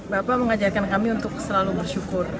bapak mengajarkan kami untuk selalu bersyukur